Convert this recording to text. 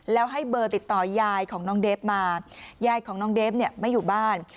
แล้วให้เบอร์ติดต่อยายของน้องเดฟมายายของน้องเดฟเนี่ยไม่อยู่บ้าน